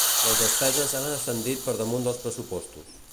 Les despeses han ascendit per damunt dels pressuposts.